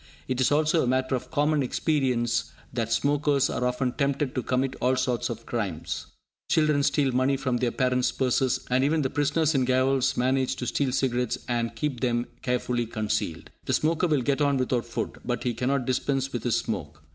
It is also a matter of common experience that smokers are often tempted to commit all sorts of crimes. Children steal money from their parents' purses; and even the prisoners in gaols manage to steal cigarettes and keep them carefully concealed. The smoker will get on without food, but he cannot dispense with his smoke!